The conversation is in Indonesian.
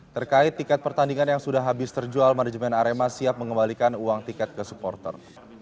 terkait tiket pertandingan yang sudah habis terjual manajemen arema siap mengembalikan uang tiket ke supporter